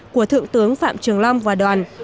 của thượng tướng phạm trường long và đoàn